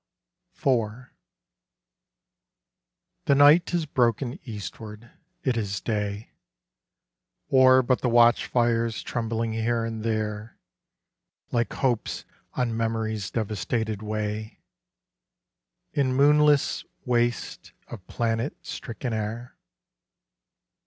4 The night is broken eastward; is it day, Or but the watchfires trembling here and there, Like hopes on memory's devastated way, In moonless wastes of planet stricken air?